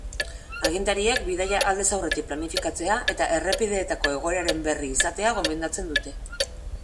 Agintariek bidaia aldez aurretik planifikatzea eta errepideetako egoeraren berri izatea gomendatzen dute.